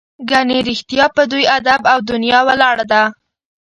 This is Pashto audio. ګنې رښتیا په دوی ادب او دنیا ولاړه ده.